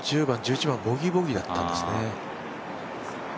１０番、１１番、ボギー、ボギーだったんですね。